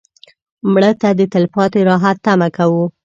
مړه ته د تلپاتې راحت تمه کوو